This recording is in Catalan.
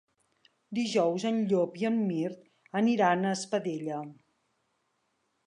Dijous en Llop i en Mirt aniran a Espadella.